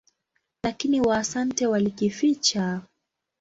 Lakini Waasante walikificha.